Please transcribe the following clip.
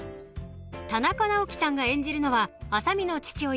田中直樹さんが演じるのは麻美の父親